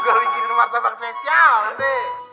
gue bikin rumah tempat kece